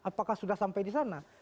apakah sudah sampai di sana